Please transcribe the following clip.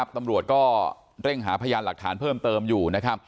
ตำรวจก็เร่งหาพยานหลักฐานเพิ่มเติมอยู่